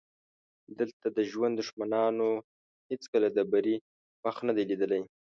دلته د ژوند دښمنانو هېڅکله د بري مخ نه دی لیدلی.